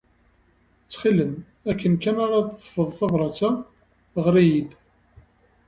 Ttxil-m, akken kan ara d-teḍḍfed tabṛat-a, ɣer-iyi-d.